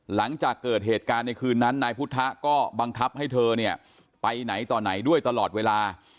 หลังจากเกิดเหตุการณ์ในคืนนั้นนายพุทธะก็บังคับให้เธอเนี่ยไปไหนต่อไหนด้วยตลอดเวลา